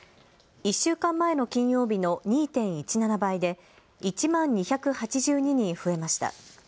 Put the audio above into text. １週間前の金曜日の２．１７倍で１万２８２人増えました。